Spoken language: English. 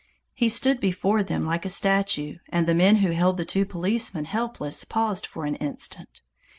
He stood before them like a statue and the men who held the two policemen helpless paused for an instant.